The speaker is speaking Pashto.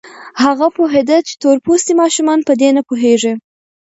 هغه پوهېده چې تور پوستي ماشومان په دې نه پوهېږي.